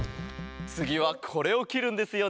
つぎはこれをきるんですよね？